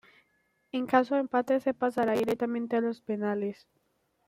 En caso de empate, se pasará directamente a los penalties.